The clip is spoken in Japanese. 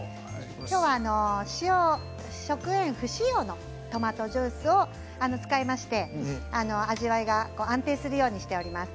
きょうは食塩不使用のトマトジュースを使いまして味わいが安定するようにしております。